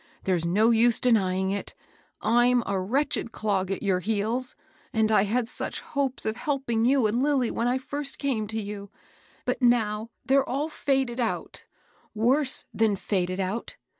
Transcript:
There's no use denying it, I'm a wretched clog at your heels. And I had such hopes of helping you and Lilly when I first came to you ; but now they're all faded out, worse than faded out.